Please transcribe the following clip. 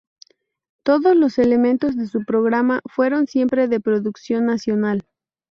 Todos los elementos de su programa fueron siempre de producción nacional.